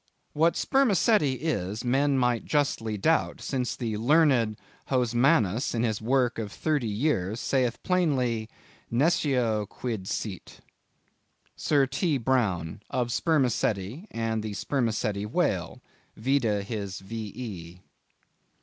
"What spermacetti is, men might justly doubt, since the learned Hosmannus in his work of thirty years, saith plainly, Nescio quid sit." —_Sir T. Browne. Of Sperma Ceti and the Sperma Ceti Whale. Vide his V. E.